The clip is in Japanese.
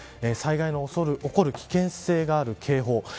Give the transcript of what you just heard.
災害の起こる危険性がある警報。